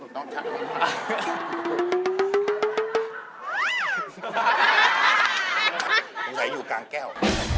น้องไข่อยู่กลางแก้ว